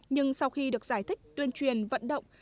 nhưng sau khi được giải thích tuyên truyền vận động